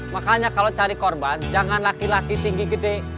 makanya kalau cari korban jangan laki laki tinggi gede